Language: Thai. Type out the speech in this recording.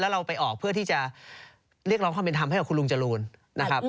เราไปออกเพื่อที่จะเรียกร้องความเป็นธรรมให้กับคุณลุงจรูนนะครับ